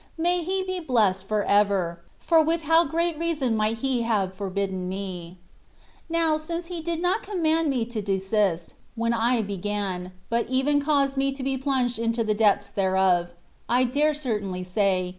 May He be blessed for ever, for with how great reason might He have forbidden me. Now, since He did not command me to desist, when I began, but even caused me to be plunged into the depths thereof, I dare cer tainly say.